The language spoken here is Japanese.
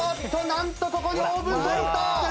なんとここにオーブントースター。